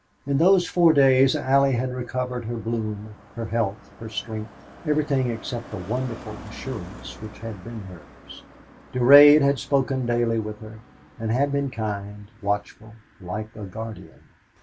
In those four days Allie had recovered her bloom, her health, her strength everything except the wonderful assurance which had been hers. Durade had spoken daily with her, and had been kind, watchful, like a guardian.